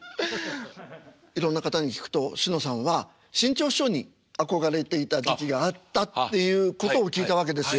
いろんな方に聞くとしのさんは志ん朝師匠に憧れていた時期があったていうことを聞いたわけですよ。